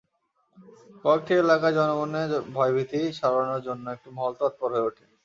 কয়েকটি এলাকায় জনমনে ভয়ভীতি ছড়ানোর জন্য একটি মহল তৎপর হয়ে ওঠে।